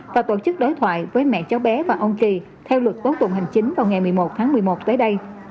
và tổ chức đối thoại với mẹ cháu bé và ông kỳ theo luật tố tụng hành chính vào ngày một mươi một tháng một mươi một tới đây